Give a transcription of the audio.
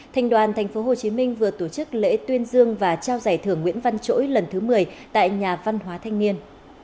thành đoàn tp hcm vừa tổ chức lễ tuyên dương và trao giải thưởng nguyễn văn chỗi lần thứ một mươi tại nhà văn hóa thanh niên